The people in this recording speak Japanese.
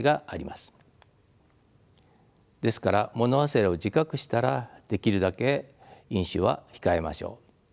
ですから物忘れを自覚したらできるだけ飲酒は控えましょう。